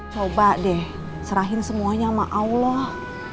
coba deh serahin semuanya sama allah